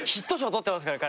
取ってますから彼。